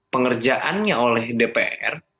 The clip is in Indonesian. pengerjaannya oleh dpr